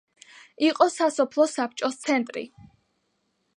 იყო სასოფლო საბჭოს ცენტრი.